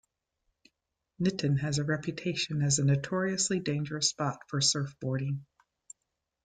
Niton has a reputation as a notoriously dangerous spot for Surfboarding.